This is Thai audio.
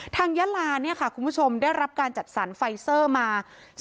ยาลาเนี่ยค่ะคุณผู้ชมได้รับการจัดสรรไฟเซอร์มา